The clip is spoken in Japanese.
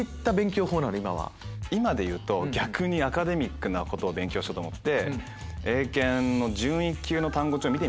今でいうと逆にアカデミックなことを勉強しようと思って。